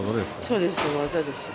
そうです、技です。